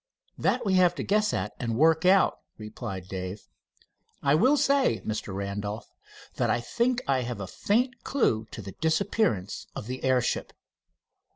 "That we have to guess at and work out," replied Dave. "I will say, Mr. Randolph, that I think I have a faint clew to the disappearance of the airship."